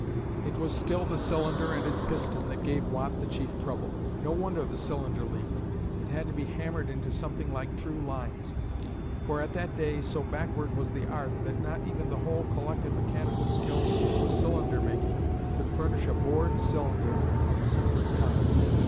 It was still the cylinder and its piston that gave Watt the chief trouble. No wonder the cylinder leaked. It had to be hammered into something like true lines, for at that day so backward was the art that not even the whole collective mechanical skill of cylinder making could furnish a bored cylinder of the simplest kind.